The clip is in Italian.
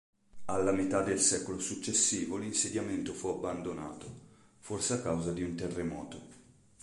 Alla metà del secolo successivo l'insediamento fu abbandonato, forse a causa di un terremoto.